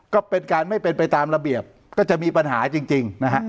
ก็เป็นการไม่เป็นไปตามระเบียบก็จะมีปัญหาจริงนะฮะ